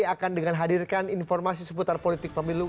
akan dengan hadirkan informasi seputar politik pemilu